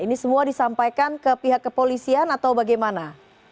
ini semua disampaikan ke pihak kepolisian atau bagaimana